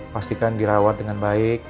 pastikan dirawat dengan baik